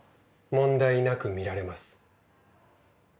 問題なく見られます。